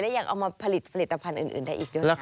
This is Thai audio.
ยังเอามาผลิตผลิตภัณฑ์อื่นได้อีกด้วยค่ะ